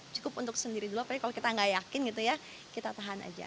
cukup untuk sendiri dulu apalagi kalau kita tidak yakin kita tahan saja